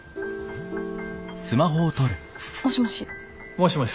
もしもし。